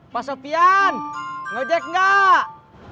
pak sofian ngejek gak